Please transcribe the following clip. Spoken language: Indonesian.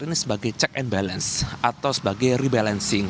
ini sebagai check and balance atau sebagai rebalancing